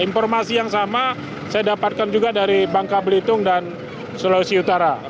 informasi yang sama saya dapatkan juga dari bangka belitung dan sulawesi utara